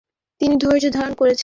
তিনি ধৈর্য ধারণ করেছেন।